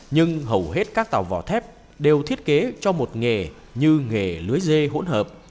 nhưng hầu hết các tàu vỏ thép đều thiết kế cho một nghề như nghề lưới dê hỗn hợp